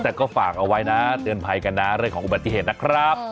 แต่ก็ฝากเอาไว้นะเตือนภัยกันนะเรื่องของอุบัติเหตุนะครับ